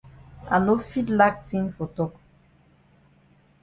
I no fit lack tin for tok.